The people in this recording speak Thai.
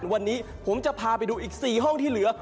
วันนี้ผมจะพาไปดูอีก๔ห้องที่เหลือ